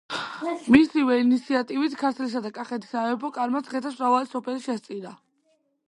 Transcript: მისივე ინიციატივით ქართლისა და კახეთის სამეფო კარმა მცხეთას მრავალი სოფელი შესწირა.